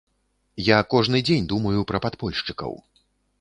Я кожны дзень думаю пра падпольшчыкаў.